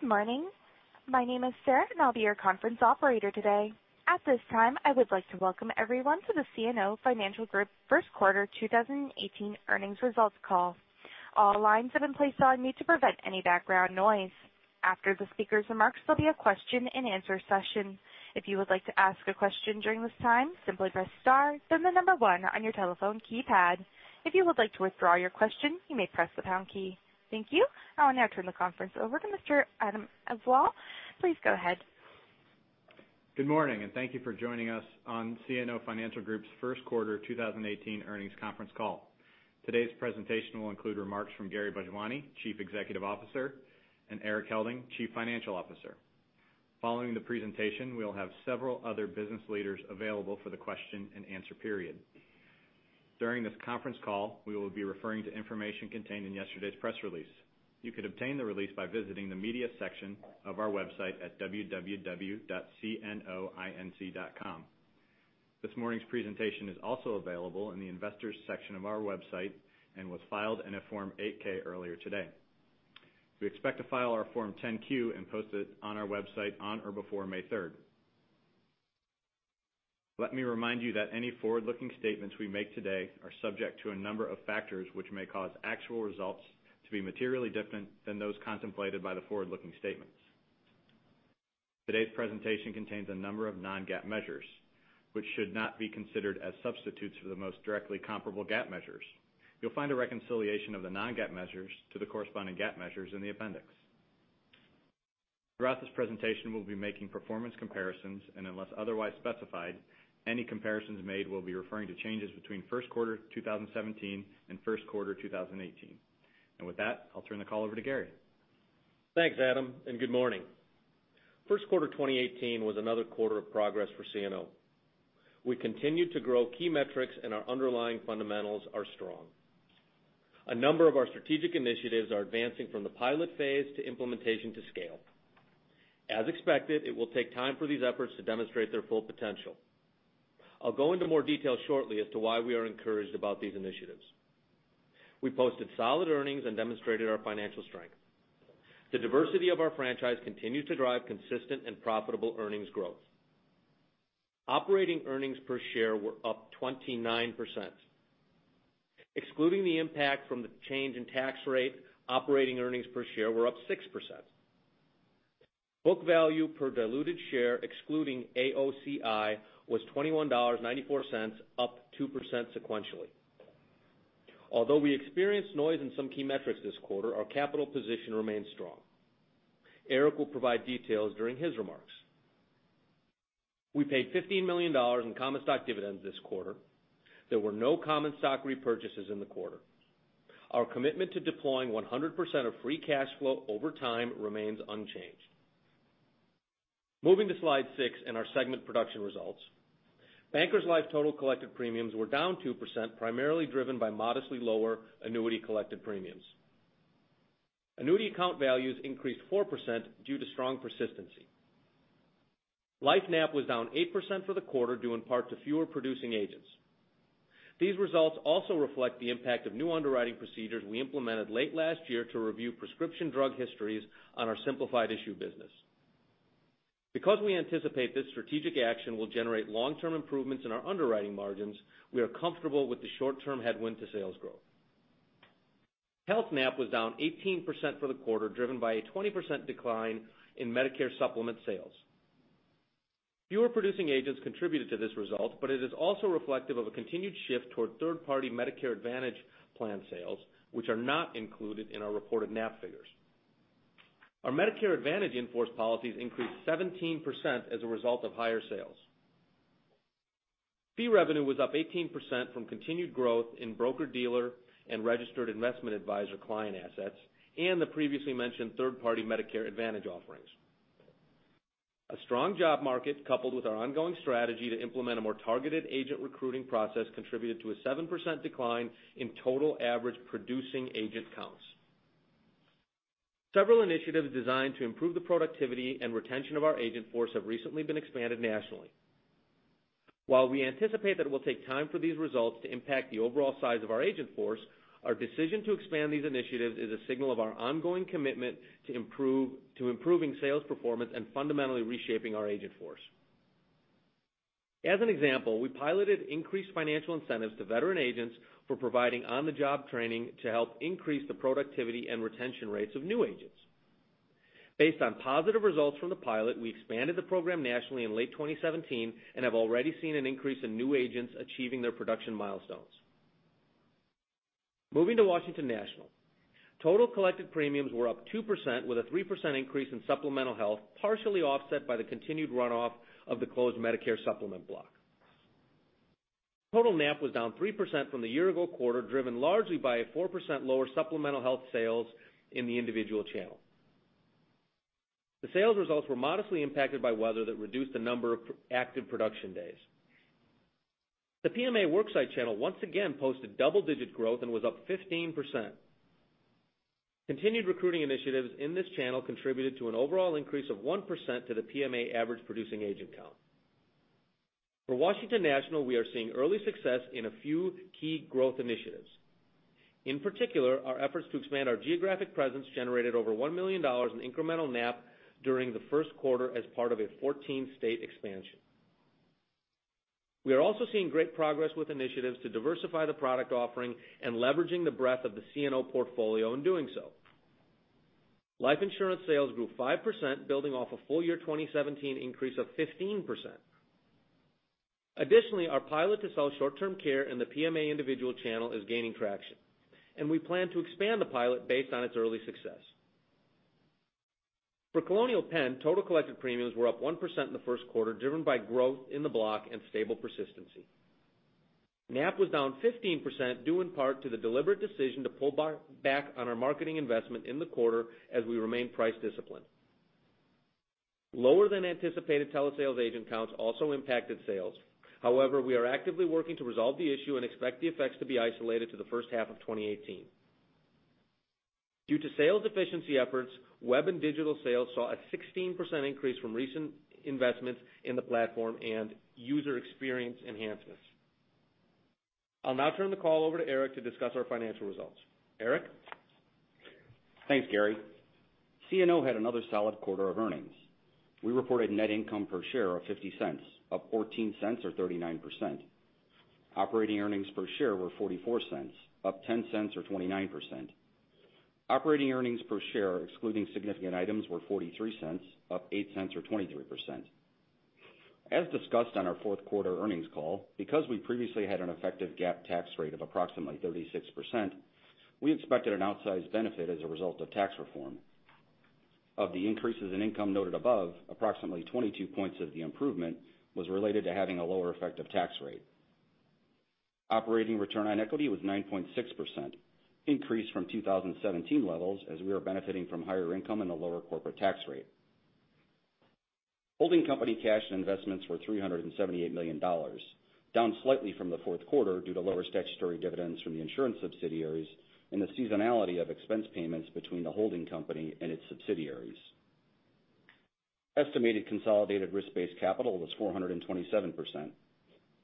Good morning. My name is Sarah, and I'll be your conference operator today. At this time, I would like to welcome everyone to the CNO Financial Group First Quarter 2018 Earnings Results call. All lines have been placed on mute to prevent any background noise. After the speaker's remarks, there'll be a question and answer session. If you would like to ask a question during this time, simply press star, then the number one on your telephone keypad. If you would like to withdraw your question, you may press the pound key. Thank you. I will now turn the conference over to Mr. Adam Auvil. Please go ahead. Good morning. Thank you for joining us on CNO Financial Group's First Quarter 2018 earnings conference call. Today's presentation will include remarks from Gary Bhojwani, Chief Executive Officer, and Erik Helding, Chief Financial Officer. Following the presentation, we'll have several other business leaders available for the question and answer period. During this conference call, we will be referring to information contained in yesterday's press release. You could obtain the release by visiting the media section of our website at www.cnoinc.com. This morning's presentation is also available in the investors section of our website and was filed in a Form 8-K earlier today. We expect to file our Form 10-Q and post it on our website on or before May 3rd. Let me remind you that any forward-looking statements we make today are subject to a number of factors which may cause actual results to be materially different than those contemplated by the forward-looking statements. Today's presentation contains a number of non-GAAP measures, which should not be considered as substitutes for the most directly comparable GAAP measures. You'll find a reconciliation of the non-GAAP measures to the corresponding GAAP measures in the appendix. Throughout this presentation, we'll be making performance comparisons, and unless otherwise specified, any comparisons made will be referring to changes between First Quarter 2017 and First Quarter 2018. With that, I'll turn the call over to Gary. Thanks, Adam. Good morning. First Quarter 2018 was another quarter of progress for CNO. We continued to grow key metrics, and our underlying fundamentals are strong. A number of our strategic initiatives are advancing from the pilot phase to implementation to scale. As expected, it will take time for these efforts to demonstrate their full potential. I'll go into more detail shortly as to why we are encouraged about these initiatives. We posted solid earnings and demonstrated our financial strength. The diversity of our franchise continues to drive consistent and profitable earnings growth. Operating earnings per share were up 29%. Excluding the impact from the change in tax rate, operating earnings per share were up 6%. Book value per diluted share, excluding AOCI, was $21.94, up 2% sequentially. Although we experienced noise in some key metrics this quarter, our capital position remains strong. Erik, will provide details during his remarks. We paid $15 million in common stock dividends this quarter. There were no common stock repurchases in the quarter. Our commitment to deploying 100% of free cash flow over time remains unchanged. Moving to slide six and our segment production results. Bankers Life total collected premiums were down 2%, primarily driven by modestly lower annuity collected premiums. Annuity account values increased 4% due to strong persistency. Life NAP was down 8% for the quarter due in part to fewer producing agents. These results also reflect the impact of new underwriting procedures we implemented late last year to review prescription drug histories on our simplified issue business. Because we anticipate this strategic action will generate long-term improvements in our underwriting margins, we are comfortable with the short-term headwind to sales growth. Health NAP was down 18% for the quarter, driven by a 20% decline in Medicare Supplement sales. Fewer producing agents contributed to this result, but it is also reflective of a continued shift toward third-party Medicare Advantage plan sales, which are not included in our reported NAP figures. Our Medicare Advantage in-force policies increased 17% as a result of higher sales. Fee revenue was up 18% from continued growth in broker-dealer and registered investment advisor client assets and the previously mentioned third-party Medicare Advantage offerings. A strong job market, coupled with our ongoing strategy to implement a more targeted agent recruiting process, contributed to a 7% decline in total average producing agent counts. Several initiatives designed to improve the productivity and retention of our agent force have recently been expanded nationally. While we anticipate that it will take time for these results to impact the overall size of our agent force, our decision to expand these initiatives is a signal of our ongoing commitment to improving sales performance and fundamentally reshaping our agent force. As an example, we piloted increased financial incentives to veteran agents for providing on-the-job training to help increase the productivity and retention rates of new agents. Based on positive results from the pilot, we expanded the program nationally in late 2017 and have already seen an increase in new agents achieving their production milestones. Moving to Washington National. Total collected premiums were up 2%, with a 3% increase in supplemental health, partially offset by the continued runoff of the closed Medicare Supplement block. Total NAP was down 3% from the year ago quarter, driven largely by a 4% lower supplemental health sales in the individual channel. The sales results were modestly impacted by weather that reduced the number of active production days. The PMA worksite channel once again posted double-digit growth and was up 15%. Continued recruiting initiatives in this channel contributed to an overall increase of 1% to the PMA average producing agent count. For Washington National, we are seeing early success in a few key growth initiatives. In particular, our efforts to expand our geographic presence generated over $1 million in incremental NAP during the first quarter as part of a 14-state expansion. We are also seeing great progress with initiatives to diversify the product offering and leveraging the breadth of the CNO portfolio in doing so. Life insurance sales grew 5%, building off a full year 2017 increase of 15%. Additionally, our pilot to sell short-term care in the PMA individual channel is gaining traction, and we plan to expand the pilot based on its early success. For Colonial Penn, total collected premiums were up 1% in the first quarter, driven by growth in the block and stable persistency. NAP was down 15%, due in part to the deliberate decision to pull back on our marketing investment in the quarter as we remain price disciplined. Lower than anticipated telesales agent counts also impacted sales. However, we are actively working to resolve the issue and expect the effects to be isolated to the first half of 2018. Due to sales efficiency efforts, web and digital sales saw a 16% increase from recent investments in the platform and user experience enhancements. I'll now turn the call over to Erik to discuss our financial results. Erik? Thanks, Gary. CNO had another solid quarter of earnings. We reported net income per share of $0.50, up $0.14, or 39%. Operating earnings per share were $0.44, up $0.10 or 29%. Operating earnings per share excluding significant items were $0.43, up $0.08 or 23%. As discussed on our fourth quarter earnings call, because we previously had an effective GAAP tax rate of approximately 36%, we expected an outsized benefit as a result of tax reform. Of the increases in income noted above, approximately 22 points of the improvement was related to having a lower effective tax rate. Operating return on equity was 9.6%, increased from 2017 levels, as we are benefiting from higher income and a lower corporate tax rate. Holding company cash and investments were $378 million, down slightly from the fourth quarter due to lower statutory dividends from the insurance subsidiaries and the seasonality of expense payments between the holding company and its subsidiaries. Estimated consolidated risk-based capital was 427%.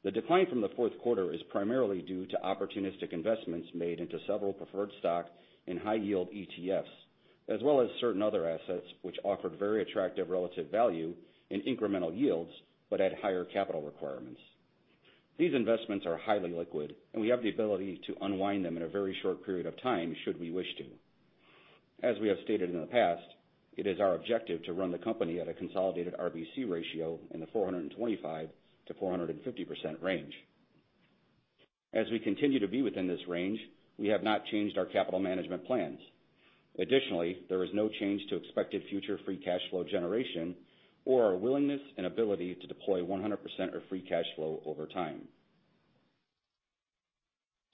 The decline from the fourth quarter is primarily due to opportunistic investments made into several preferred stock and high yield ETFs, as well as certain other assets which offered very attractive relative value in incremental yields, but at higher capital requirements. These investments are highly liquid, and we have the ability to unwind them in a very short period of time, should we wish to. As we have stated in the past, it is our objective to run the company at a consolidated RBC ratio in the 425%-450% range. As we continue to be within this range, we have not changed our capital management plans. Additionally, there is no change to expected future free cash flow generation or our willingness and ability to deploy 100% of free cash flow over time.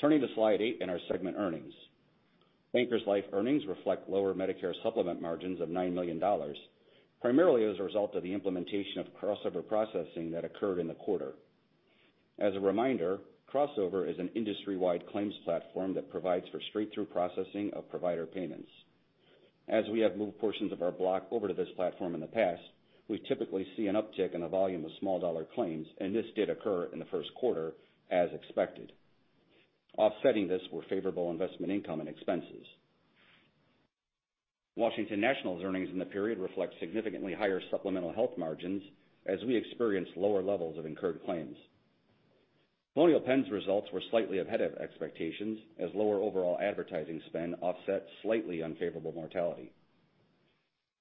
Turning to slide eight and our segment earnings. Bankers Life earnings reflect lower Medicare Supplement margins of $9 million, primarily as a result of the implementation of crossover processing that occurred in the quarter. As a reminder, Crossover is an industry-wide claims platform that provides for straight-through processing of provider payments. As we have moved portions of our block over to this platform in the past, we typically see an uptick in the volume of small dollar claims, and this did occur in the first quarter as expected. Offsetting this were favorable investment income and expenses. Washington National's earnings in the period reflect significantly higher supplemental health margins as we experienced lower levels of incurred claims. Colonial Penn's results were slightly ahead of expectations as lower overall advertising spend offset slightly unfavorable mortality.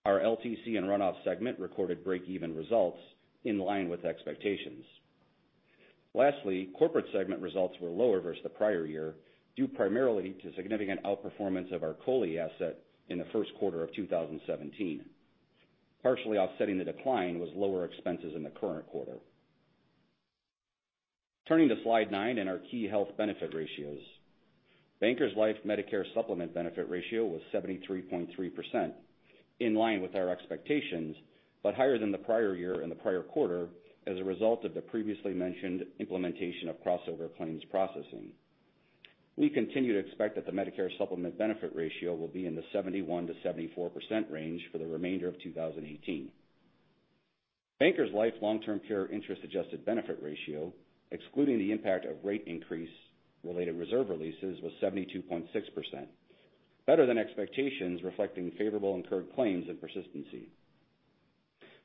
Our LTC and runoff segment recorded break-even results in line with expectations. Lastly, corporate segment results were lower versus the prior year, due primarily to significant outperformance of our COLI asset in the first quarter of 2017. Partially offsetting the decline was lower expenses in the current quarter. Turning to slide nine and our key health benefit ratios. Bankers Life Medicare Supplement benefit ratio was 73.3%, in line with our expectations, but higher than the prior year and the prior quarter as a result of the previously mentioned implementation of crossover claims processing. We continue to expect that the Medicare Supplement benefit ratio will be in the 71%-74% range for the remainder of 2018. Bankers Life long-term care interest-adjusted benefit ratio, excluding the impact of rate increase related reserve releases, was 72.6%, better than expectations, reflecting favorable incurred claims and persistency.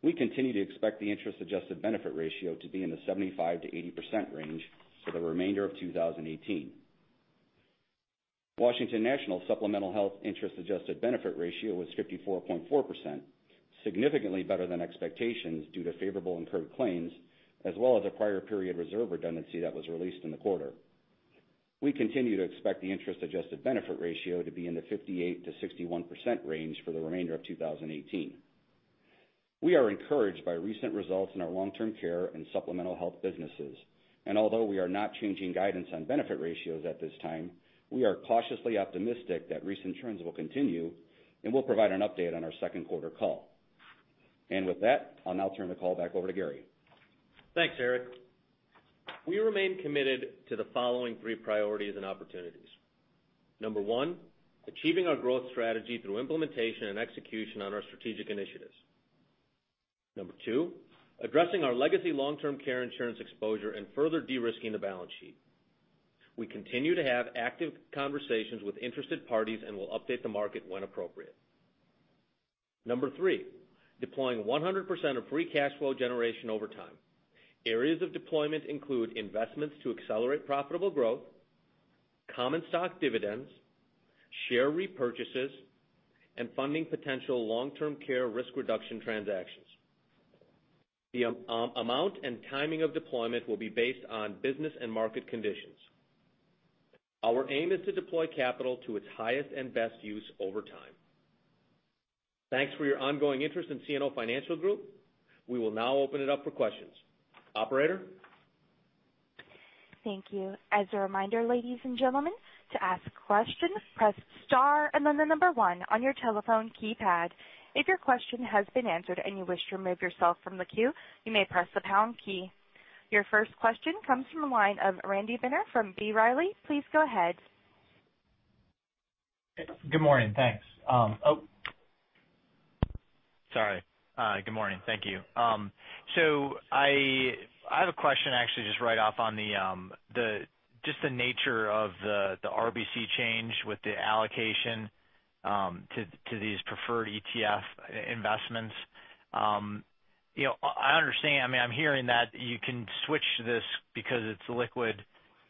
We continue to expect the interest-adjusted benefit ratio to be in the 75%-80% range for the remainder of 2018. Washington National supplemental health interest-adjusted benefit ratio was 54.4%, significantly better than expectations due to favorable incurred claims, as well as a prior period reserve redundancy that was released in the quarter. We continue to expect the interest-adjusted benefit ratio to be in the 58%-61% range for the remainder of 2018. We are encouraged by recent results in our long-term care and supplemental health businesses, although we are not changing guidance on benefit ratios at this time, we are cautiously optimistic that recent trends will continue, and we'll provide an update on our second quarter call. With that, I'll now turn the call back over to Gary. Thanks, Erik. We remain committed to the following three priorities and opportunities. Number one, achieving our growth strategy through implementation and execution on our strategic initiatives. Number two, addressing our legacy long-term care insurance exposure and further de-risking the balance sheet. We continue to have active conversations with interested parties and will update the market when appropriate. Number three, deploying 100% of free cash flow generation over time. Areas of deployment include investments to accelerate profitable growth, common stock dividends, share repurchases, and funding potential long-term care risk reduction transactions. The amount and timing of deployment will be based on business and market conditions. Our aim is to deploy capital to its highest and best use over time. Thanks for your ongoing interest in CNO Financial Group. We will now open it up for questions. Operator? Thank you. As a reminder, ladies and gentlemen, to ask questions, press star and then the number 1 on your telephone keypad. If your question has been answered and you wish to remove yourself from the queue, you may press the pound key. Your first question comes from the line of Randy Binner from B. Riley. Please go ahead. Good morning. Thanks. Oh, sorry. Good morning. Thank you. I have a question actually, just right off on just the nature of the RBC change with the allocation to these preferred ETF investments. I understand, I'm hearing that you can switch this because it's liquid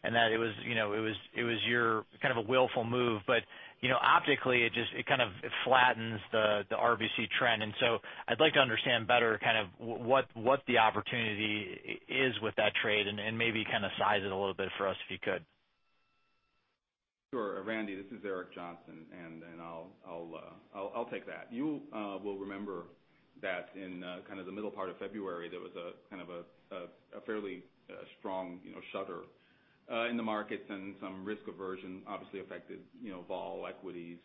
and that it was your kind of willful move. Optically, it kind of flattens the RBC trend. I'd like to understand better kind of what the opportunity is with that trade and maybe kind of size it a little bit for us, if you could. Sure. Randy, this is Eric Johnson, and I'll take that. You will remember that in kind of the middle part of February, there was kind of a fairly strong shudder in the markets and some risk aversion obviously affected vol equities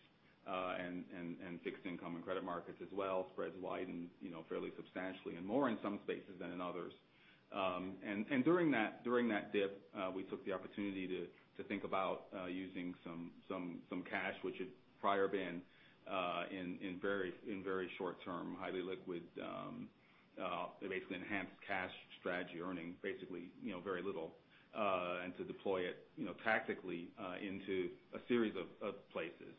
and fixed income and credit markets as well. Spreads widened fairly substantially and more in some spaces than in others. During that dip, we took the opportunity to think about using some cash, which had prior been in very short-term, highly liquid, basically enhanced cash strategy earning basically very little, and to deploy it tactically into a series of places.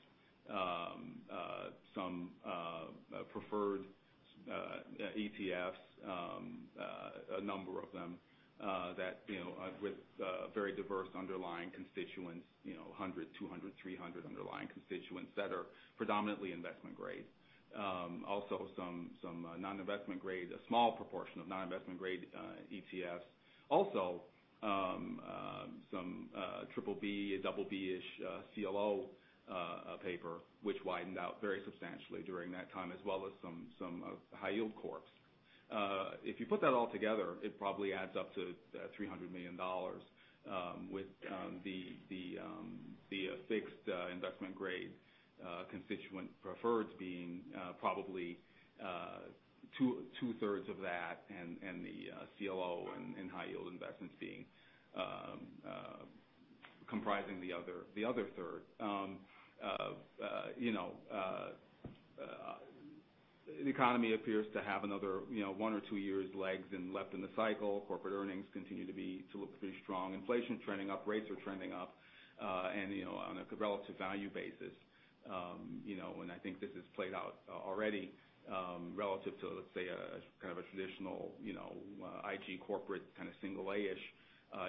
Some preferred ETFs, a number of them with very diverse underlying constituents, 100, 200, 300 underlying constituents that are predominantly investment grade. Also some non-investment grade, a small proportion of non-investment grade ETFs. Also some BBB, BB-ish CLO paper, which widened out very substantially during that time, as well as some high-yield corps. If you put that all together, it probably adds up to $300 million with the fixed investment grade constituent preferreds being probably two-thirds of that and the CLO and high-yield investments comprising the other third. The economy appears to have another one or two years legs left in the cycle. Corporate earnings continue to look pretty strong. Inflation trending up, rates are trending up. On a relative value basis, and I think this has played out already relative to, let's say, kind of a traditional IG corporate kind of single A-ish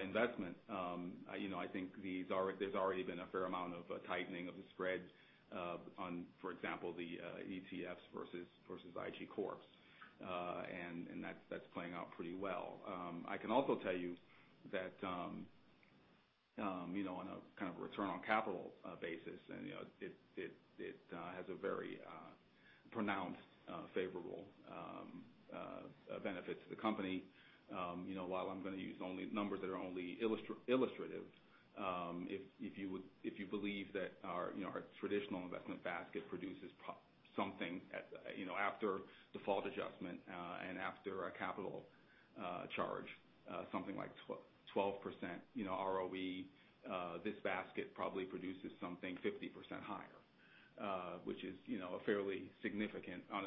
investment. I think there's already been a fair amount of tightening of the spreads on, for example, the ETFs versus IG corps. That's playing out pretty well. It has a very pronounced favorable benefit to the company. While I'm going to use numbers that are only illustrative, if you believe that our traditional investment basket produces something after default adjustment and after a capital charge something like 12% ROE, this basket probably produces something 50% higher, which is fairly significant on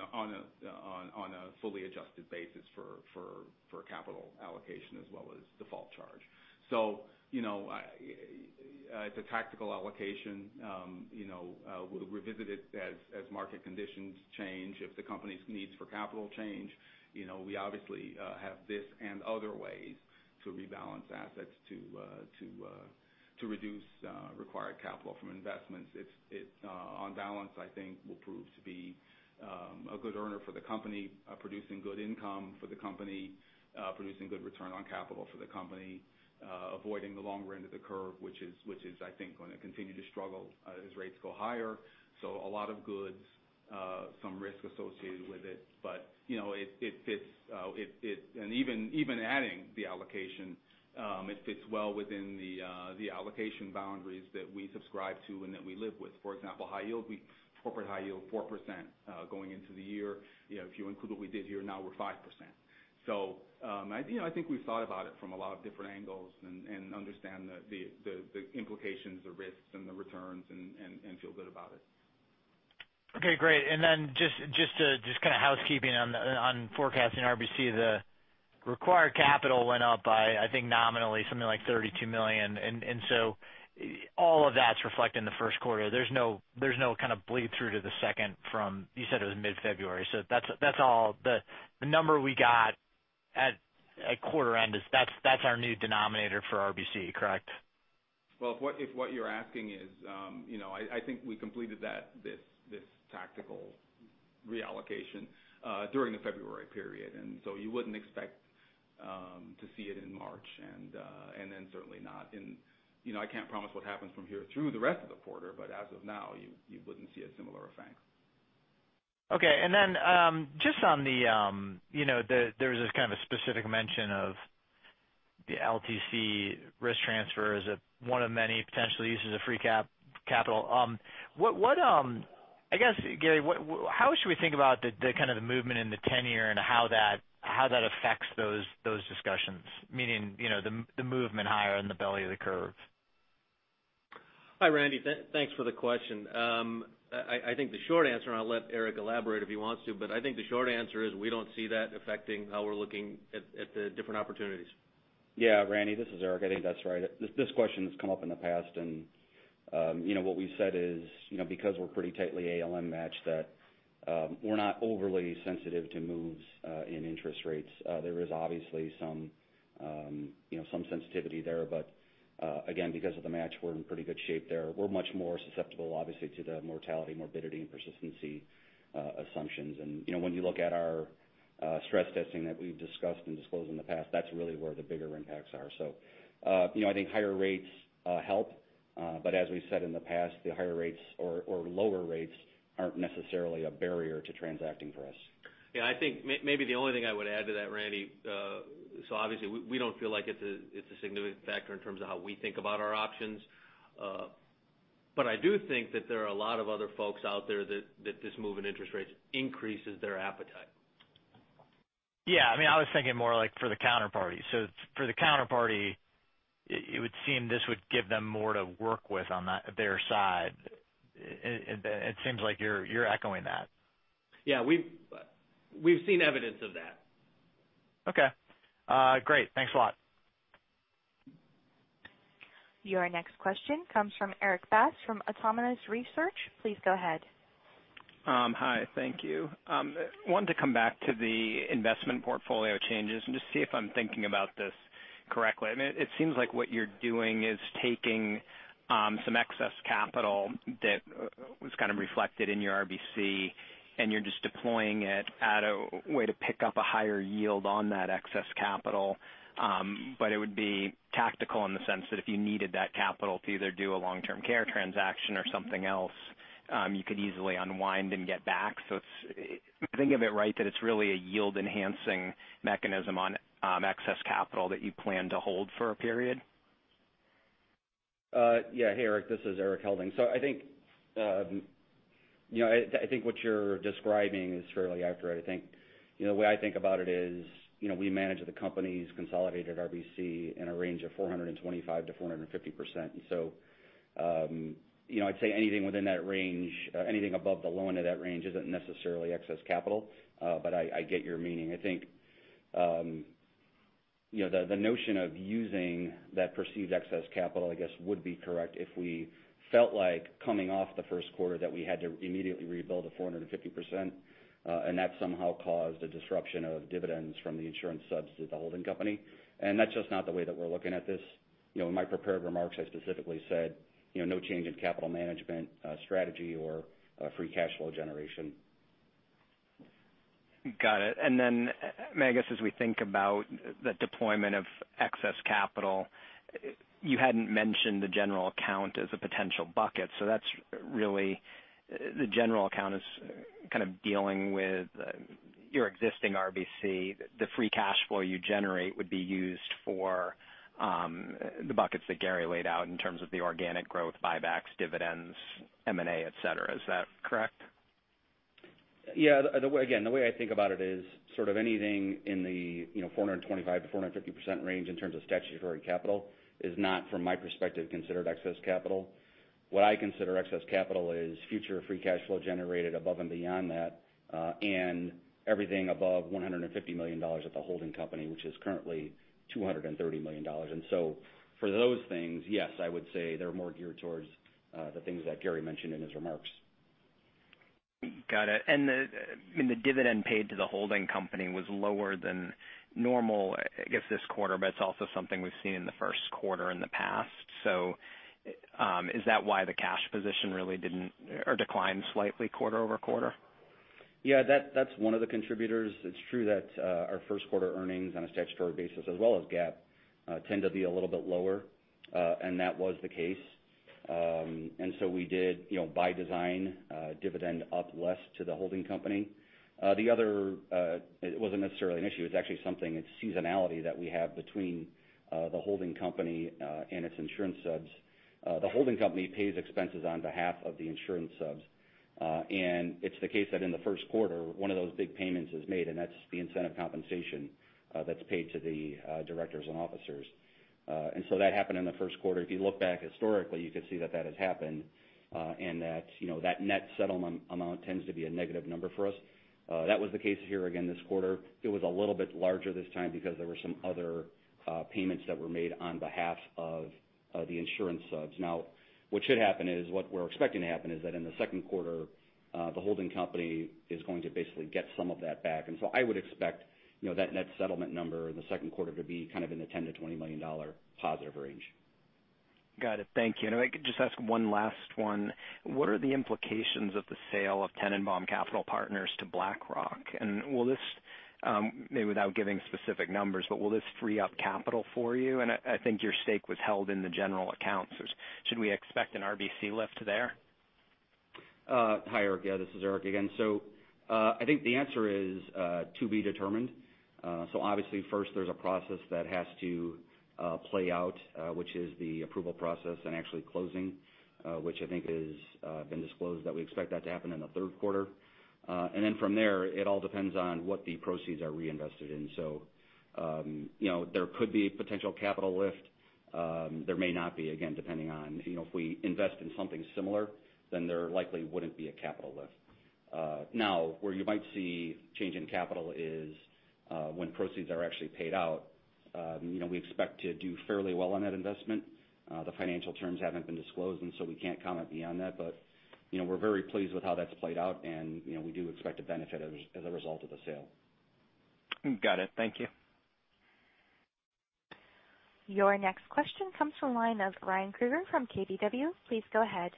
a fully adjusted basis for capital allocation as well as default charge. It's a tactical allocation. We'll revisit it as market conditions change. If the company's needs for capital change, we obviously have this and other ways to rebalance assets to reduce required capital from investments. On balance, I think will prove to be a good earner for the company, producing good income for the company, producing good return on capital for the company, avoiding the longer end of the curve, which is, I think, going to continue to struggle as rates go higher. A lot of goods, some risk associated with it. Even adding the allocation, it fits well within the allocation boundaries that we subscribe to and that we live with. For example, high yield, corporate high yield 4% going into the year. If you include what we did here, now we're 5%. I think we've thought about it from a lot of different angles, and understand the implications, the risks and the returns, and feel good about it. Okay, great. Just kind of housekeeping on forecasting RBC, the required capital went up by, I think, nominally something like $32 million. All of that's reflected in the first quarter. There's no kind of bleed-through to the second from, you said it was mid-February, so that's all the number we got at quarter end, that's our new denominator for RBC, correct? If what you're asking is, I think we completed this tactical reallocation during the February period. You wouldn't expect to see it in March, certainly not in. I can't promise what happens from here through the rest of the quarter, but as of now, you wouldn't see a similar effect. Okay. Just on the, there's this kind of specific mention of the LTC risk transfer as one of many potential uses of free capital. I guess, Gary, how should we think about the kind of the movement in the tenor and how that affects those discussions? Meaning the movement higher in the belly of the curve. Hi, Randy. Thanks for the question. I think the short answer, and I'll let Eric elaborate if he wants to, I think the short answer is we don't see that affecting how we're looking at the different opportunities. Yeah, Randy, this is Eric. I think that's right. This question's come up in the past, what we've said is, because we're pretty tightly ALM matched, that we're not overly sensitive to moves in interest rates. There is obviously some sensitivity there, again, because of the match, we're in pretty good shape there. We're much more susceptible, obviously, to the mortality, morbidity, and persistency assumptions. When you look at our stress testing that we've discussed and disclosed in the past, that's really where the bigger impacts are. I think higher rates help. As we've said in the past, the higher rates or lower rates aren't necessarily a barrier to transacting for us. Yeah, I think maybe the only thing I would add to that, Randy, obviously we don't feel like it's a significant factor in terms of how we think about our options. I do think that there are a lot of other folks out there that this move in interest rates increases their appetite. Yeah. I was thinking more like for the counterparty. For the counterparty, it would seem this would give them more to work with on their side. It seems like you're echoing that. Yeah. We've seen evidence of that. Okay. Great. Thanks a lot. Your next question comes from Erik Bass, from Autonomous Research. Please go ahead. Hi. Thank you. I wanted to come back to the investment portfolio changes and just see if I'm thinking about this correctly. I mean, it seems like what you're doing is taking some excess capital that was kind of reflected in your RBC, and you're just deploying it at a way to pick up a higher yield on that excess capital. It would be tactical in the sense that if you needed that capital to either do a long-term care transaction or something else, you could easily unwind and get back. It's, if I think of it right, that it's really a yield-enhancing mechanism on excess capital that you plan to hold for a period. Yeah. Hey, Eric, this is Erik Helding. I think what you're describing is fairly accurate, I think. The way I think about it is, we manage the company's consolidated RBC in a range of 425%-450%. I'd say anything within that range, anything above the low end of that range isn't necessarily excess capital. I get your meaning. I think the notion of using that perceived excess capital, I guess, would be correct if we felt like coming off the first quarter that we had to immediately rebuild a 450%, that somehow caused a disruption of dividends from the insurance subs to the holding company. That's just not the way that we're looking at this. In my prepared remarks, I specifically said, no change in capital management strategy or free cash flow generation. Got it. I guess as we think about the deployment of excess capital, you hadn't mentioned the general account as a potential bucket. That's really the general account is kind of dealing with your existing RBC, the free cash flow you generate would be used for the buckets that Gary laid out in terms of the organic growth, buybacks, dividends, M&A, et cetera. Is that correct? Yeah. Again, the way I think about it is sort of anything in the 425%-450% range in terms of statutory capital is not, from my perspective, considered excess capital. What I consider excess capital is future free cash flow generated above and beyond that, and everything above $150 million at the holding company, which is currently $230 million. For those things, yes, I would say they're more geared towards the things that Gary mentioned in his remarks. Got it. The dividend paid to the holding company was lower than normal, I guess, this quarter, it's also something we've seen in the first quarter in the past. Is that why the cash position really didn't or declined slightly quarter-over-quarter? Yeah, that's one of the contributors. It's true that our first quarter earnings on a statutory basis, as well as GAAP, tend to be a little bit lower. That was the case. We did, by design, dividend up less to the holding company. The other, it wasn't necessarily an issue, it's actually something, it's seasonality that we have between the holding company and its insurance subs. The holding company pays expenses on behalf of the insurance subs. It's the case that in the first quarter, one of those big payments is made, that's the incentive compensation that's paid to the directors and officers. That happened in the first quarter. If you look back historically, you could see that that has happened, and that net settlement amount tends to be a negative number for us. That was the case here again this quarter. It was a little bit larger this time because there were some other payments that were made on behalf of the insurance subs. What should happen is, what we're expecting to happen is that in the second quarter, the holding company is going to basically get some of that back. I would expect that net settlement number in the second quarter to be in the $10 million-$20 million positive range. Got it. Thank you. If I could just ask one last one. What are the implications of the sale of Tennenbaum Capital Partners to BlackRock? Will this, maybe without giving specific numbers, will this free up capital for you? I think your stake was held in the general accounts. Should we expect an RBC lift there? Hi, Eric. Yeah, this is Erik again. I think the answer is, to be determined. Obviously first there's a process that has to play out, which is the approval process and actually closing, which I think has been disclosed that we expect that to happen in the third quarter. From there, it all depends on what the proceeds are reinvested in. There could be a potential capital lift. There may not be, again, depending on if we invest in something similar, then there likely wouldn't be a capital lift. Now, where you might see change in capital is when proceeds are actually paid out. We expect to do fairly well on that investment. The financial terms haven't been disclosed, we can't comment beyond that. We're very pleased with how that's played out, and we do expect to benefit as a result of the sale. Got it. Thank you. Your next question comes from the line of Ryan Krueger from KBW. Please go ahead.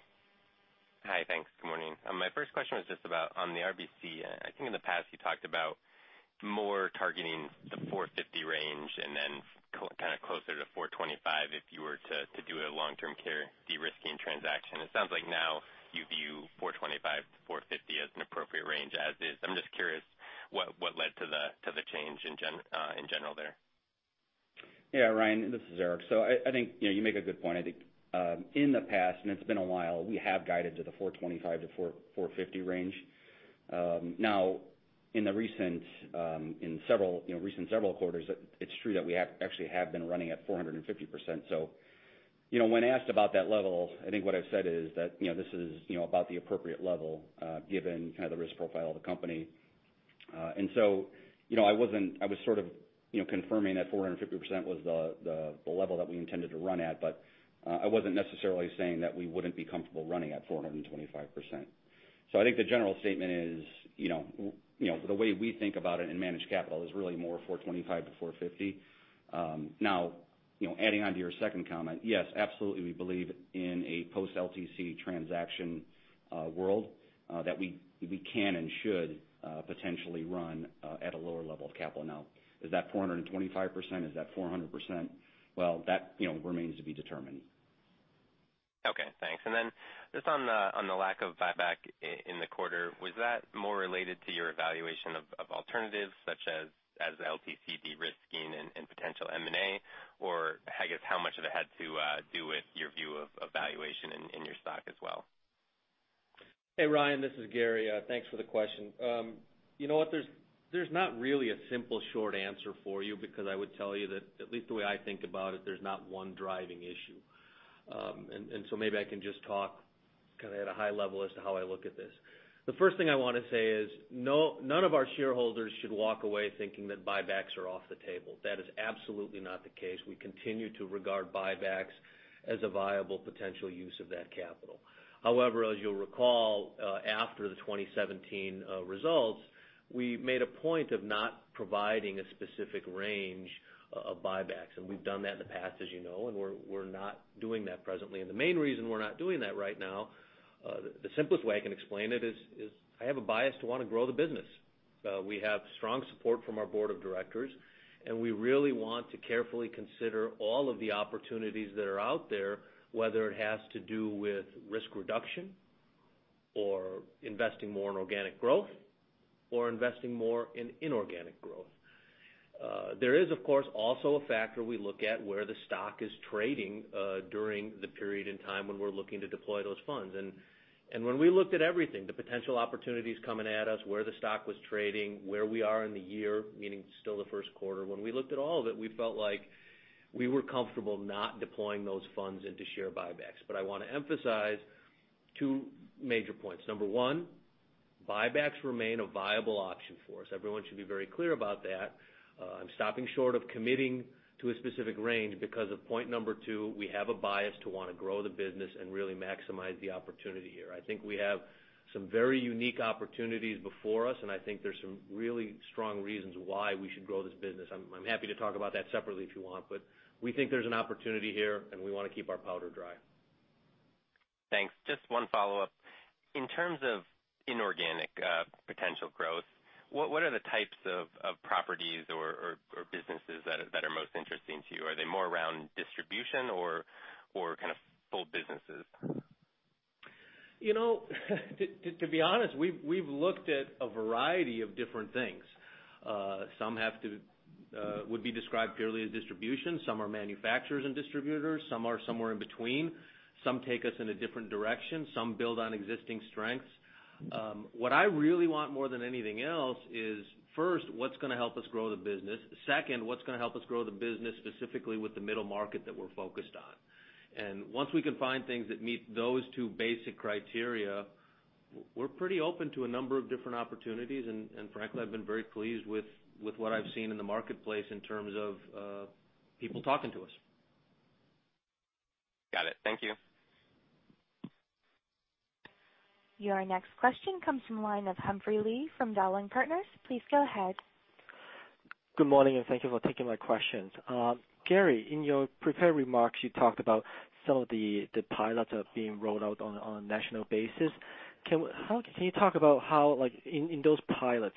Hi. Thanks. Good morning. My first question was just about on the RBC. I think in the past, you talked about more targeting the 450 range and then kind of closer to 425 if you were to do a long-term care de-risking transaction. It sounds like now you view 425 to 450 as an appropriate range as is. I'm just curious what led to the change in general there? Yeah, Ryan, this is Eric. I think you make a good point. I think in the past, and it's been a while, we have guided to the 425 to 450 range. In recent several quarters, it's true that we actually have been running at 450%. When asked about that level, I think what I've said is that this is about the appropriate level, given kind of the risk profile of the company. I was sort of confirming that 450% was the level that we intended to run at, but I wasn't necessarily saying that we wouldn't be comfortable running at 425%. I think the general statement is, the way we think about it and manage capital is really more 425 to 450. Adding on to your second comment, yes, absolutely we believe in a post-LTC transaction world that we can and should potentially run at a lower level of capital. Is that 425%? Is that 400%? Well, that remains to be determined. Okay, thanks. Just on the lack of buyback in the quarter, was that more related to your evaluation of alternatives such as LTC de-risking and potential M&A? I guess how much of it had to do with your view of valuation in your stock as well? Hey, Ryan, this is Gary. Thanks for the question. You know what? There's not really a simple, short answer for you, because I would tell you that at least the way I think about it, there's not one driving issue. Maybe I can just talk kind of at a high level as to how I look at this. The first thing I want to say is none of our shareholders should walk away thinking that buybacks are off the table. That is absolutely not the case. We continue to regard buybacks as a viable potential use of that capital. However, as you'll recall, after the 2017 results, we made a point of not providing a specific range of buybacks, and we've done that in the past, as you know, and we're not doing that presently. The main reason we're not doing that right now, the simplest way I can explain it is I have a bias to want to grow the business. We have strong support from our board of directors. We really want to carefully consider all of the opportunities that are out there, whether it has to do with risk reduction or investing more in organic growth or investing more in inorganic growth. There is, of course, also a factor we look at where the stock is trading during the period in time when we're looking to deploy those funds. When we looked at everything, the potential opportunities coming at us, where the stock was trading, where we are in the year, meaning still the first quarter. When we looked at all of it, we felt like we were comfortable not deploying those funds into share buybacks. I want to emphasize two major points. Number 1, buybacks remain a viable option for us. Everyone should be very clear about that. I'm stopping short of committing to a specific range because of point number 2, we have a bias to want to grow the business and really maximize the opportunity here. I think we have some very unique opportunities before us. I think there's some really strong reasons why we should grow this business. I'm happy to talk about that separately if you want. We think there's an opportunity here. We want to keep our powder dry. Thanks. Just one follow-up. In terms of inorganic potential growth, what are the types of properties or businesses that are most interesting to you? Are they more around distribution or kind of full businesses? To be honest, we've looked at a variety of different things. Some would be described purely as distribution. Some are manufacturers and distributors. Some are somewhere in between. Some take us in a different direction. Some build on existing strengths. What I really want more than anything else is, first, what's going to help us grow the business? Second, what's going to help us grow the business specifically with the middle market that we're focused on? Once we can find things that meet those two basic criteria, we're pretty open to a number of different opportunities. Frankly, I've been very pleased with what I've seen in the marketplace in terms of people talking to us. Got it. Thank you. Your next question comes from the line of Humphrey Lee from Dowling & Partners. Please go ahead. Good morning, and thank you for taking my questions. Gary, in your prepared remarks, you talked about some of the pilots that are being rolled out on a national basis. Can you talk about how, in those pilots,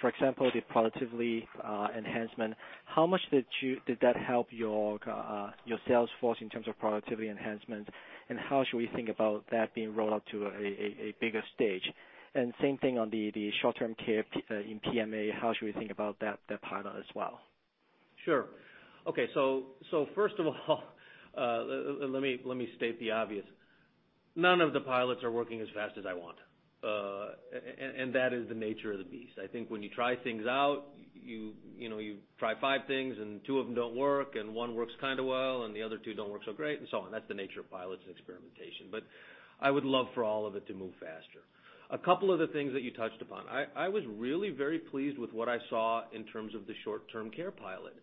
for example, the productivity enhancement, how much did that help your sales force in terms of productivity enhancement, and how should we think about that being rolled out to a bigger stage? Same thing on the short-term care in PMA. How should we think about that pilot as well? Sure. Okay. First of all, let me state the obvious. None of the pilots are working as fast as I want. That is the nature of the beast. I think when you try things out, you try five things, and two of them don't work, and one works kind of well, and the other two don't work so great, and so on. That's the nature of pilots and experimentation. I would love for all of it to move faster. A couple of the things that you touched upon, I was really very pleased with what I saw in terms of the short-term care pilot.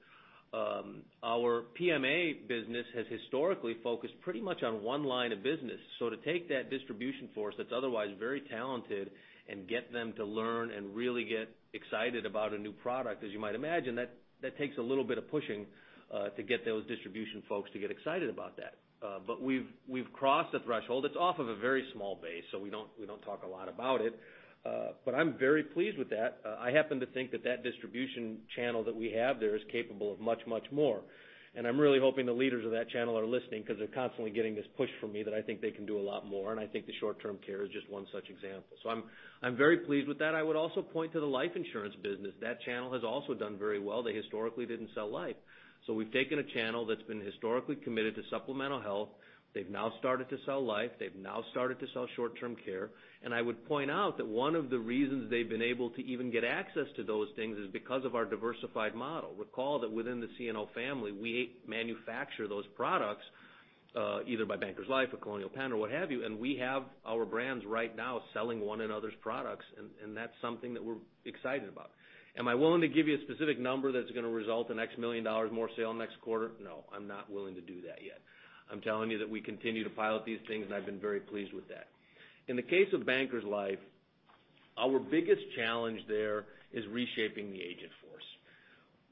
Our PMA business has historically focused pretty much on one line of business. To take that distribution force that's otherwise very talented and get them to learn and really get excited about a new product, as you might imagine, that takes a little bit of pushing to get those distribution folks to get excited about that. We've crossed the threshold. It's off of a very small base, so we don't talk a lot about it. I'm very pleased with that. I happen to think that that distribution channel that we have there is capable of much more. I'm really hoping the leaders of that channel are listening because they're constantly getting this push from me that I think they can do a lot more, and I think the short-term care is just one such example. I'm very pleased with that. I would also point to the life insurance business. That channel has also done very well. They historically didn't sell life. We've taken a channel that's been historically committed to supplemental health. They've now started to sell life. They've now started to sell short-term care. I would point out that one of the reasons they've been able to even get access to those things is because of our diversified model. Recall that within the CNO family, we manufacture those products, either by Bankers Life or Colonial Penn or what have you, and we have our brands right now selling one another's products, and that's something that we're excited about. Am I willing to give you a specific number that's going to result in $X million more sale next quarter? No, I'm not willing to do that yet. I'm telling you that we continue to pilot these things, and I've been very pleased with that. In the case of Bankers Life, our biggest challenge there is reshaping the agent force.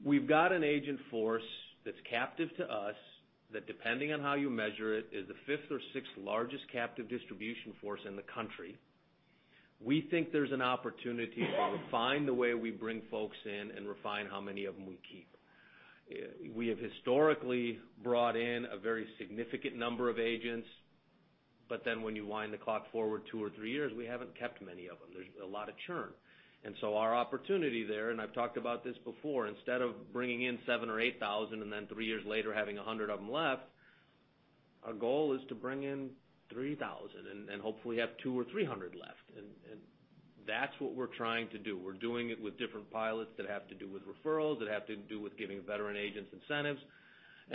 We've got an agent force that's captive to us that, depending on how you measure it, is the fifth or sixth largest captive distribution force in the country. We think there's an opportunity to refine the way we bring folks in and refine how many of them we keep. We have historically brought in a very significant number of agents, when you wind the clock forward two or three years, we haven't kept many of them. There's a lot of churn. Our opportunity there, and I've talked about this before, instead of bringing in 7,000 or 8,000, and then three years later having 100 of them left, our goal is to bring in 3,000 and hopefully have 200 or 300 left. That's what we're trying to do. We're doing it with different pilots that have to do with referrals, that have to do with giving veteran agents incentives.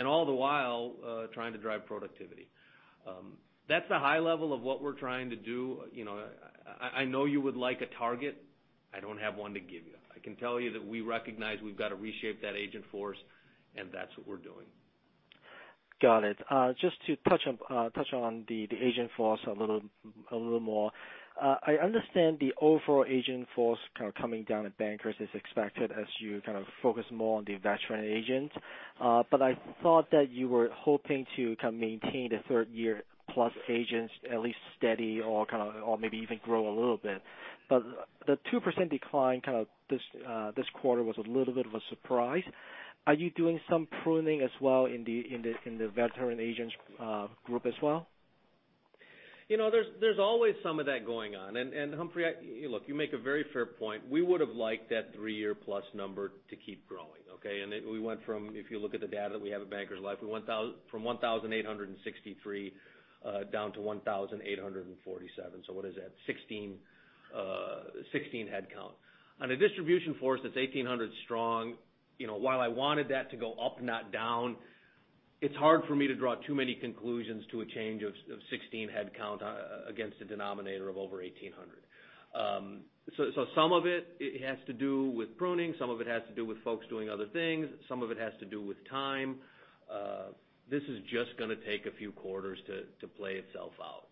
All the while, trying to drive productivity. That's the high level of what we're trying to do. I know you would like a target. I don't have one to give you. I can tell you that we recognize we've got to reshape that agent force, and that's what we're doing. Got it. Just to touch on the agent force a little more. I understand the overall agent force kind of coming down at Bankers is expected as you kind of focus more on the veteran agents. I thought that you were hoping to kind of maintain the third year plus agents at least steady or maybe even grow a little bit. The 2% decline this quarter was a little bit of a surprise. Are you doing some pruning as well in the veteran agents group as well? There's always some of that going on. Humphrey, look, you make a very fair point. We would've liked that three-year plus number to keep growing, okay? We went from, if you look at the data that we have at Bankers Life, we went from 1,863 down to 1,847. What is that? 16 headcount. On a distribution force that's 1,800 strong, while I wanted that to go up, not down, it's hard for me to draw too many conclusions to a change of 16 headcount against a denominator of over 1,800. Some of it has to do with pruning, some of it has to do with folks doing other things. Some of it has to do with time. This is just going to take a few quarters to play itself out.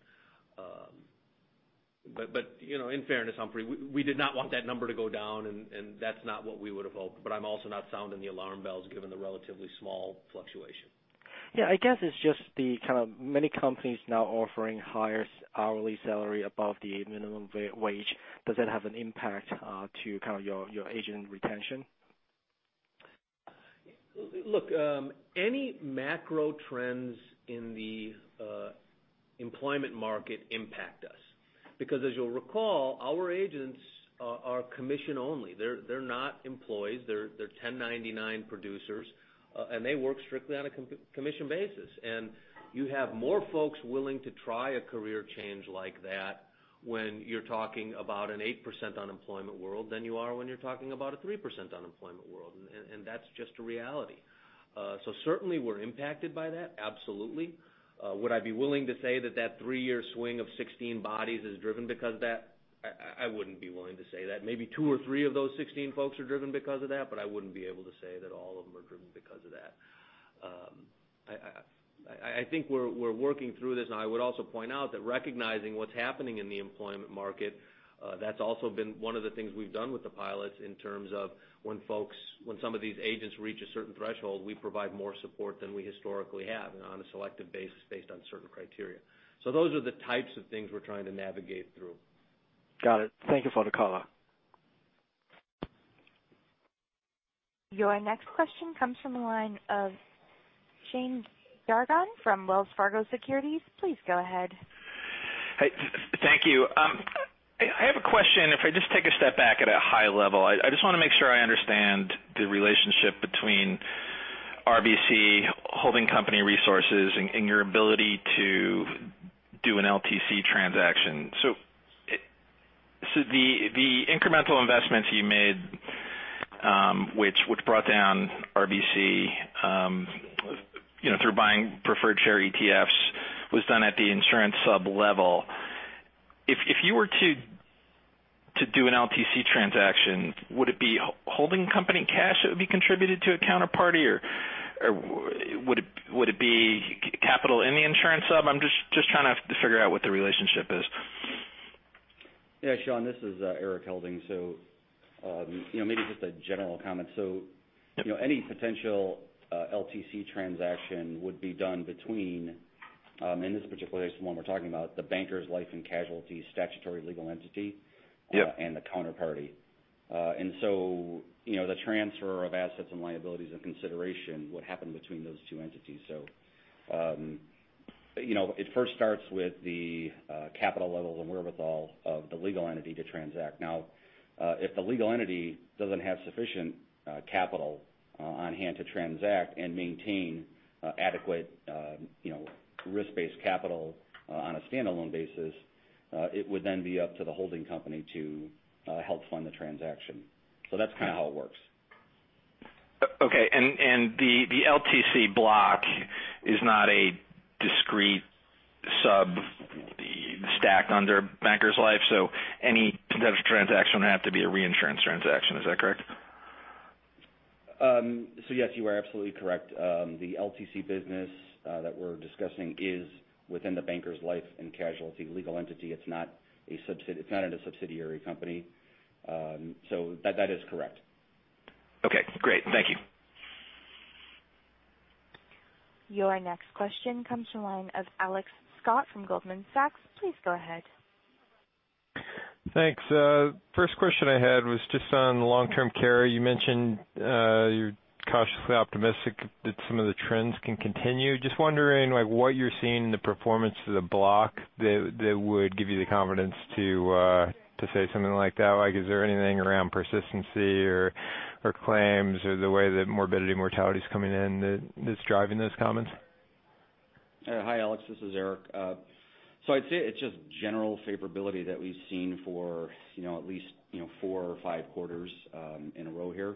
In fairness, Humphrey, we did not want that number to go down, and that's not what we would have hoped. I'm also not sounding the alarm bells given the relatively small fluctuation. Yeah, I guess it's just the kind of many companies now offering higher hourly salary above the minimum wage. Does that have an impact to kind of your agent retention? Look, any macro trends in the employment market impact us, because as you'll recall, our agents are commission only. They're not employees. They're 1099 producers, and they work strictly on a commission basis. You have more folks willing to try a career change like that when you're talking about an 8% unemployment world than you are when you're talking about a 3% unemployment world. That's just a reality. Certainly we're impacted by that, absolutely. Would I be willing to say that that three-year swing of 16 bodies is driven because of that? I wouldn't be willing to say that. Maybe two or three of those 16 folks are driven because of that, but I wouldn't be able to say that all of them are driven because of that. I think we're working through this, I would also point out that recognizing what's happening in the employment market, that's also been one of the things we've done with the pilots in terms of when some of these agents reach a certain threshold, we provide more support than we historically have, and on a selective basis based on certain criteria. Those are the types of things we're trying to navigate through. Got it. Thank you for the color. Your next question comes from the line of Sean Dargan from Wells Fargo Securities. Please go ahead. Hey. Thank you. I have a question. If I just take a step back at a high level, I just want to make sure I understand the relationship between RBC holding company resources and your ability to do an LTC transaction. The incremental investments you made, which brought down RBC, through buying preferred share ETFs, was done at the insurance sub-level. If you were to do an LTC transaction, would it be holding company cash that would be contributed to a counterparty, or would it be capital in the insurance sub? I'm just trying to figure out what the relationship is. Sean, this is Erik Helding. Maybe just a general comment. Any potential LTC transaction would be done between, in this particular case, the one we're talking about, the Bankers Life and Casualty statutory legal entity. Yeah The counterparty. The transfer of assets and liabilities and consideration would happen between those two entities. It first starts with the capital levels and wherewithal of the legal entity to transact. Now, if the legal entity doesn't have sufficient capital on-hand to transact and maintain adequate risk-based capital on a standalone basis, it would then be up to the holding company to help fund the transaction. That's kind of how it works. Okay. The LTC block is not a discrete sub-stack under Bankers Life, so any potential transaction would have to be a reinsurance transaction. Is that correct? Yes, you are absolutely correct. The LTC business that we're discussing is within the Bankers Life and Casualty legal entity. It's not in a subsidiary company. That is correct. Okay, great. Thank you. Your next question comes from the line of Alex Scott from Goldman Sachs. Please go ahead. Thanks. First question I had was just on long-term care. You mentioned you're cautiously optimistic that some of the trends can continue. Just wondering what you're seeing in the performance of the block that would give you the confidence to say something like that. Is there anything around persistency or claims or the way that morbidity mortality's coming in that's driving those comments? Hi, Alex. This is Erik. I'd say it's just general favorability that we've seen for at least four or five quarters in a row here.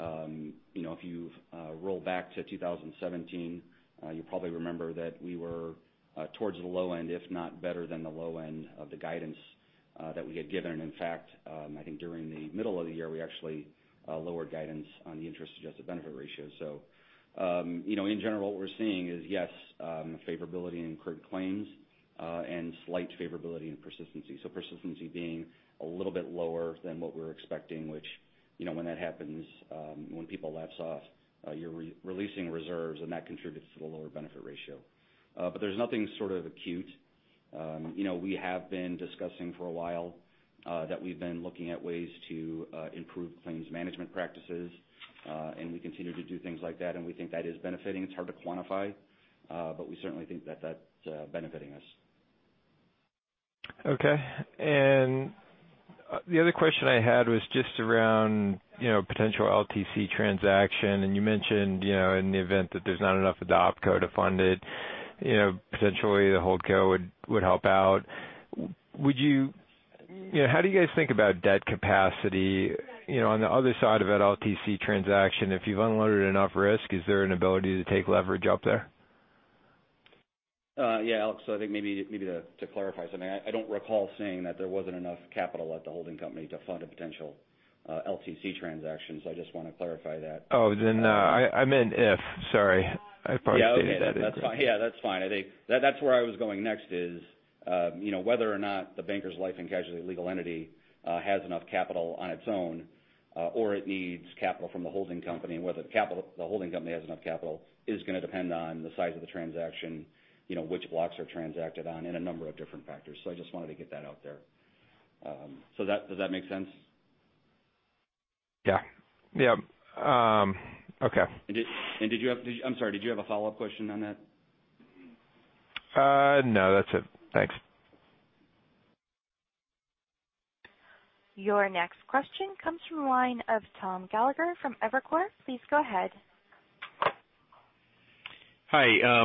If you roll back to 2017, you probably remember that we were towards the low end, if not better than the low end of the guidance that we had given. In fact, I think during the middle of the year, we actually lowered guidance on the interest-adjusted benefit ratio. In general, what we're seeing is, yes, favorability in incurred claims, and slight favorability in persistency. Persistency being a little bit lower than what we were expecting, which when that happens, when people lapse off, you're releasing reserves, and that contributes to the lower benefit ratio. There's nothing sort of acute. We have been discussing for a while that we've been looking at ways to improve claims management practices. We continue to do things like that, and we think that is benefiting. It's hard to quantify, but we certainly think that that's benefiting us. Okay. The other question I had was just around potential LTC transaction, and you mentioned in the event that there's not enough opco to fund it, potentially the holdco would help out. How do you guys think about debt capacity on the other side of that LTC transaction? If you've unloaded enough risk, is there an ability to take leverage up there? Alex. I think maybe to clarify something, I do not recall saying that there was not enough capital at the holding company to fund a potential LTC transaction. I just want to clarify that. I meant if, sorry. I probably stated that incorrectly. That is fine. I think that is where I was going next is, whether or not the Bankers Life and Casualty legal entity has enough capital on its own, or it needs capital from the holding company, and whether the holding company has enough capital is going to depend on the size of the transaction, which blocks are transacted on, and a number of different factors. I just wanted to get that out there. Does that make sense? Okay. I'm sorry, did you have a follow-up question on that? No, that's it. Thanks. Your next question comes from the line of Tom Gallagher from Evercore. Please go ahead. Hi.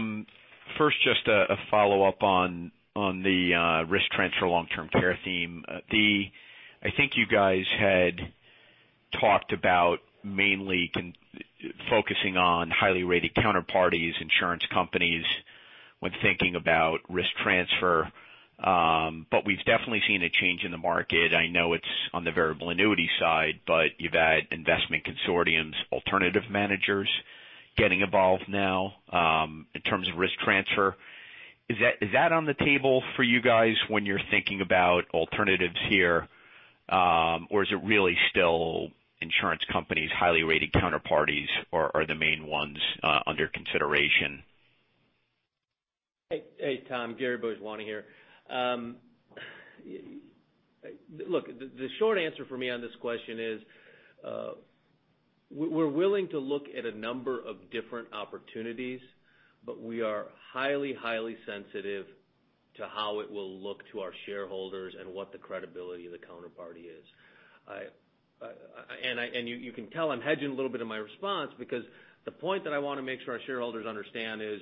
First, just a follow-up on the risk transfer long-term care theme. I think you guys had talked about mainly focusing on highly rated counterparties, insurance companies when thinking about risk transfer. We've definitely seen a change in the market. I know it's on the variable annuity side, but you've had investment consortiums, alternative managers getting involved now, in terms of risk transfer. Is that on the table for you guys when you're thinking about alternatives here? Is it really still insurance companies, highly rated counterparties are the main ones under consideration? Hey, Tom. Gary Bhojwani here. The short answer for me on this question is, we're willing to look at a number of different opportunities, but we are highly sensitive to how it will look to our shareholders and what the credibility of the counterparty is. You can tell I'm hedging a little bit in my response because the point that I want to make sure our shareholders understand is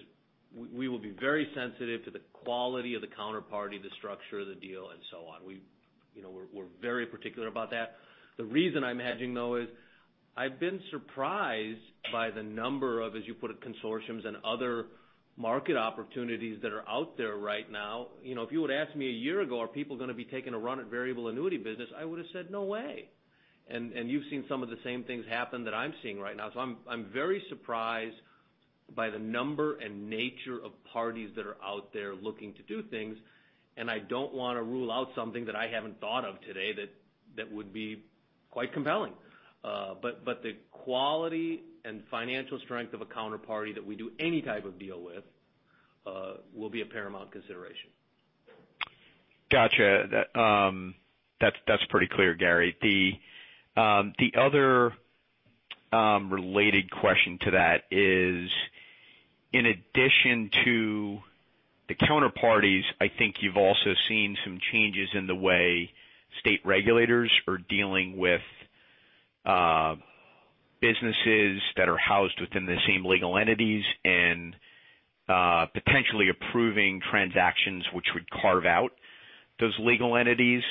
we will be very sensitive to the quality of the counterparty, the structure of the deal, and so on. We're very particular about that. The reason I'm hedging is I've been surprised by the number of, as you put it, consortiums and other market opportunities that are out there right now. If you would've asked me a year ago, are people going to be taking a run at variable annuity business, I would've said, "No way." You've seen some of the same things happen that I'm seeing right now. I'm very surprised by the number and nature of parties that are out there looking to do things, and I don't want to rule out something that I haven't thought of today that would be quite compelling. The quality and financial strength of a counterparty that we do any type of deal with, will be a paramount consideration. Got you. That's pretty clear, Gary. The other related question to that is, in addition to the counterparties, I think you've also seen some changes in the way state regulators are dealing with businesses that are housed within the same legal entities and potentially approving transactions which would carve out those legal entities,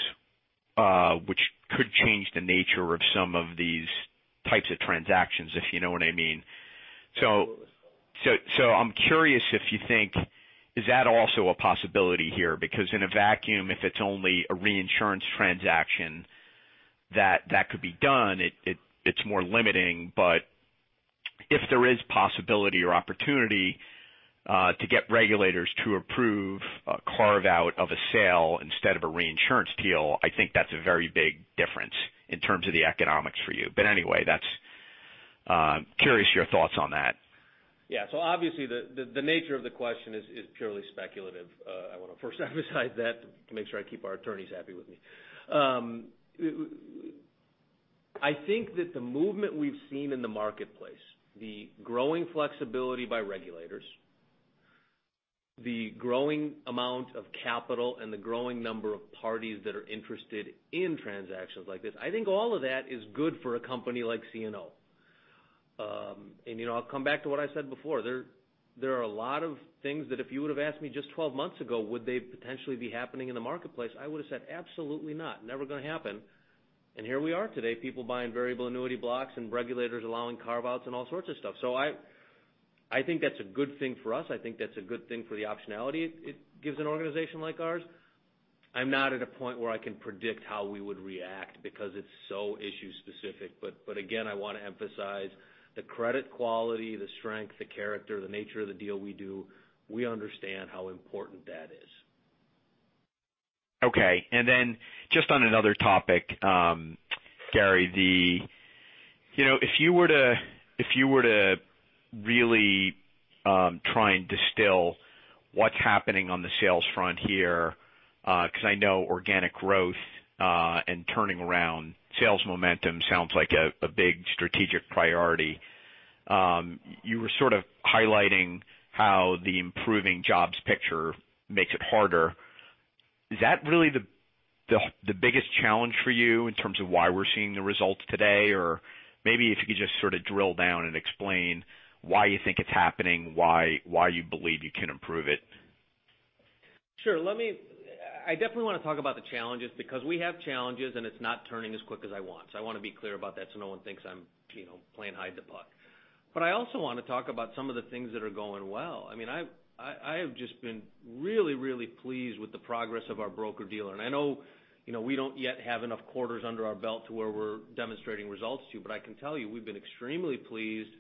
which could change the nature of some of these types of transactions, if you know what I mean. I'm curious if you think, is that also a possibility here? Because in a vacuum, if it's only a reinsurance transaction that could be done, it's more limiting. If there is possibility or opportunity to get regulators to approve a carve out of a sale instead of a reinsurance deal, I think that's a very big difference in terms of the economics for you. Curious your thoughts on that. Obviously the nature of the question is purely speculative. I want to first emphasize that to make sure I keep our attorneys happy with me. I think that the movement we've seen in the marketplace, the growing flexibility by regulators, the growing amount of capital and the growing number of parties that are interested in transactions like this, I think all of that is good for a company like CNO. I'll come back to what I said before. There are a lot of things that if you would've asked me just 12 months ago, would they potentially be happening in the marketplace, I would've said, "Absolutely not. Never going to happen." Here we are today, people buying variable annuity blocks and regulators allowing carve-outs and all sorts of stuff. I think that's a good thing for us. I think that's a good thing for the optionality it gives an organization like ours. I'm not at a point where I can predict how we would react because it's so issue specific. Again, I want to emphasize the credit quality, the strength, the character, the nature of the deal we do, we understand how important that is. Okay. Then just on another topic, Gary, if you were to really try and distill what's happening on the sales front here, because I know organic growth, and turning around sales momentum sounds like a big strategic priority. You were sort of highlighting how the improving jobs picture makes it harder. Is that really the biggest challenge for you in terms of why we're seeing the results today? Or maybe if you could just sort of drill down and explain why you think it's happening, why you believe you can improve it. Sure. I definitely want to talk about the challenges because we have challenges, and it's not turning as quick as I want. I want to be clear about that so no one thinks I'm playing hide the puck. I also want to talk about some of the things that are going well. I have just been really pleased with the progress of our broker-dealer. I know we don't yet have enough quarters under our belt to where we're demonstrating results to, but I can tell you we've been extremely pleased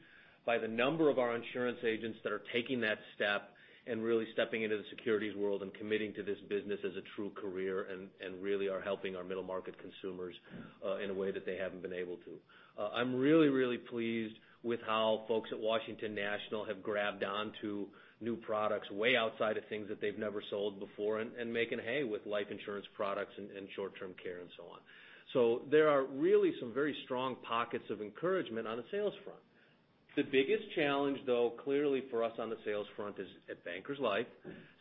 by the number of our insurance agents that are taking that step and really stepping into the securities world and committing to this business as a true career, and really are helping our middle-market consumers in a way that they haven't been able to. I'm really pleased with how folks at Washington National have grabbed on to new products way outside of things that they've never sold before, and making hay with life insurance products and short-term care and so on. There are really some very strong pockets of encouragement on the sales front. The biggest challenge though, clearly for us on the sales front is at Bankers Life.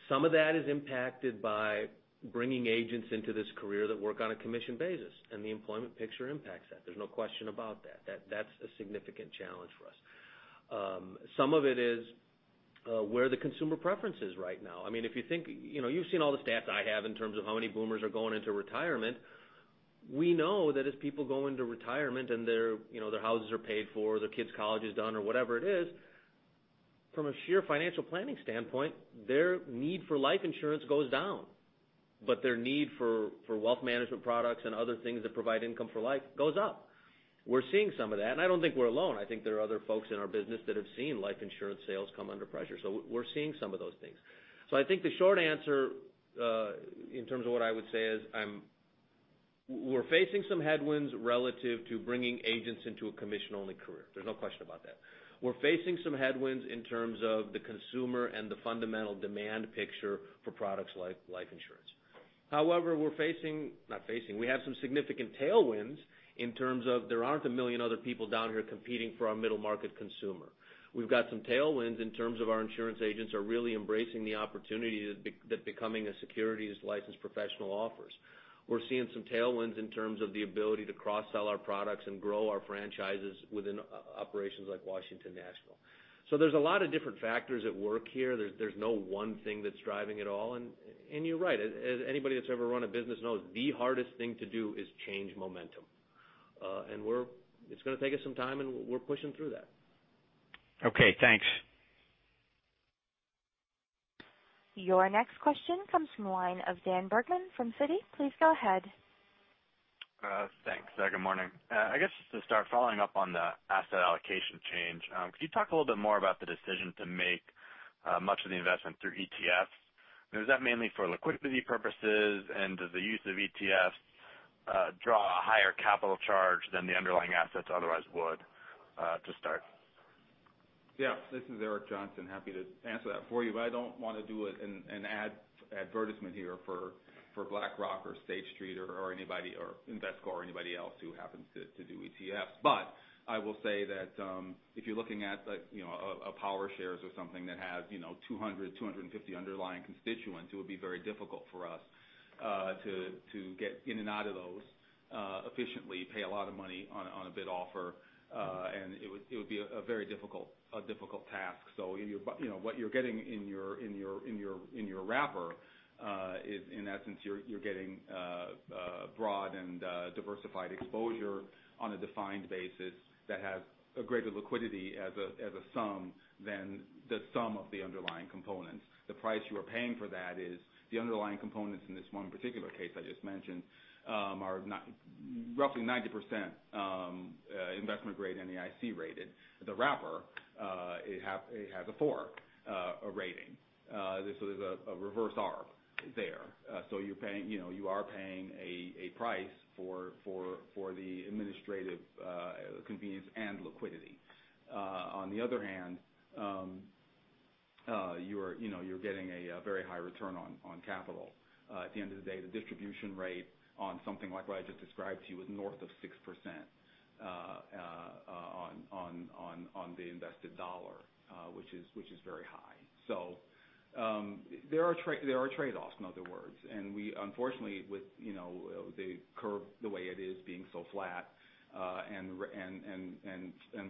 Some of that is impacted by bringing agents into this career that work on a commission basis, and the employment picture impacts that. There's no question about that. That's a significant challenge for us. Some of it is where the consumer preference is right now. You've seen all the stats I have in terms of how many boomers are going into retirement. We know that as people go into retirement and their houses are paid for, their kids' college is done, or whatever it is, from a sheer financial planning standpoint, their need for life insurance goes down. Their need for wealth management products and other things that provide income for life goes up. We're seeing some of that, and I don't think we're alone. I think there are other folks in our business that have seen life insurance sales come under pressure. We're seeing some of those things. I think the short answer, in terms of what I would say is, we're facing some headwinds relative to bringing agents into a commission-only career. There's no question about that. We're facing some headwinds in terms of the consumer and the fundamental demand picture for products like life insurance. However, we have some significant tailwinds in terms of, there aren't a million other people down here competing for our middle-market consumer. We've got some tailwinds in terms of our insurance agents are really embracing the opportunity that becoming a securities licensed professional offers. We're seeing some tailwinds in terms of the ability to cross-sell our products and grow our franchises within operations like Washington National. There's a lot of different factors at work here. There's no one thing that's driving it all. You're right, as anybody that's ever run a business knows, the hardest thing to do is change momentum. It's going to take us some time, and we're pushing through that. Okay, thanks. Your next question comes from the line of Daniel Bergman from Citi. Please go ahead. Thanks. Good morning. I guess just to start following up on the asset allocation change, could you talk a little bit more about the decision to make much of the investment through ETFs? Is that mainly for liquidity purposes? Does the use of ETFs draw a higher capital charge than the underlying assets otherwise would to start? Yeah. This is Eric Johnson. Happy to answer that for you. I don't want to do an advertisement here for BlackRock or State Street or Invesco or anybody else who happens to do ETFs. I will say that if you're looking at a PowerShares or something that has 200, 250 underlying constituents, it would be very difficult for us to get in and out of those efficiently, pay a lot of money on a bid offer, and it would be a very difficult task. What you're getting in your wrapper is, in essence, you're getting broad and diversified exposure on a defined basis that has a greater liquidity as a sum than the sum of the underlying components. The price you are paying for that is the underlying components in this one particular case I just mentioned are roughly 90% investment-grade and NAIC-rated. The wrapper, it has a 4 rating. There's a reverse arb there. You are paying a price for the administrative convenience and liquidity. On the other hand, you're getting a very high return on capital. At the end of the day, the distribution rate on something like what I just described to you is north of 6% on the invested dollar, which is very high. There are trade-offs, in other words. We, unfortunately, with the curve the way it is, being so flat, and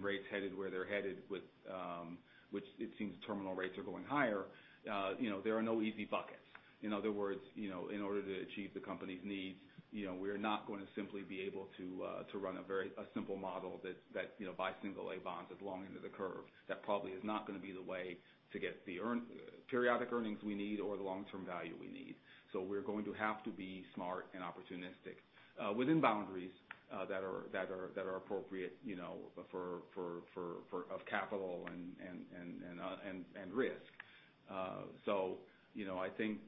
rates headed where they're headed, which it seems terminal rates are going higher, there are no easy buckets. In other words, in order to achieve the company's needs, we are not going to simply be able to run a simple model that buys single A bonds as long into the curve. That probably is not going to be the way to get the periodic earnings we need or the long-term value we need. We're going to have to be smart and opportunistic within boundaries that are appropriate of capital and risk. I think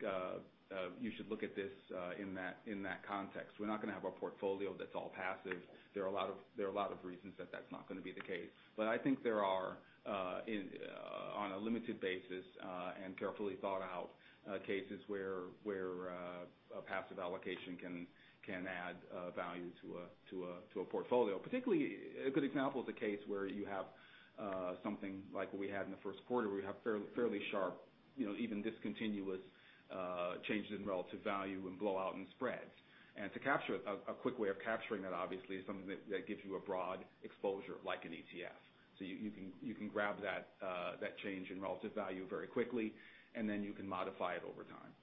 you should look at this in that context. We're not going to have a portfolio that's all passive. There are a lot of reasons that that's not going to be the case. I think there are, on a limited basis and carefully thought out cases where a passive allocation can add value to a portfolio. Particularly, a good example is a case where you have something like what we had in the first quarter, where you have fairly sharp even discontinuous changes in relative value and blowout in spreads. A quick way of capturing that obviously is something that gives you a broad exposure, like an ETF. You can grab that change in relative value very quickly, and then you can modify it over time.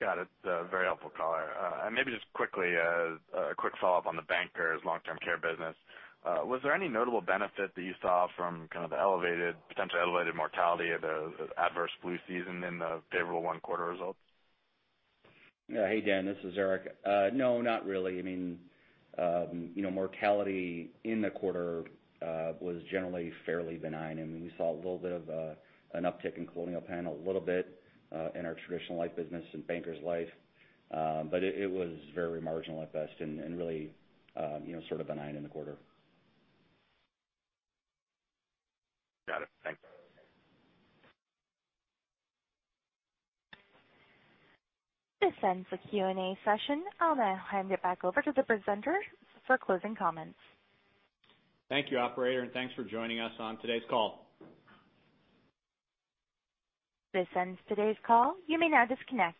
Got it. Very helpful call. Maybe just quickly, a quick follow-up on the Bankers Long Term Care business. Was there any notable benefit that you saw from kind of the potentially elevated mortality of the adverse flu season in the favorable one quarter results? Yeah. Hey, Dan, this is Erik. No, not really. Mortality in the quarter was generally fairly benign, and we saw a little bit of an uptick in Colonial Penn, a little bit in our traditional life business in Bankers Life. It was very marginal at best and really sort of benign in the quarter. Got it. Thanks. This ends the Q&A session. I'll now hand it back over to the presenter for closing comments. Thank you, operator, and thanks for joining us on today's call. This ends today's call. You may now disconnect.